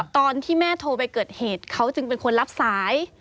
ตอนที่แม่โทรไปเกิดเหตุเขาจึงเป็นคนรับสาย